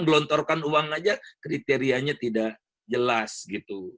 gelontorkan uang aja kriterianya tidak jelas gitu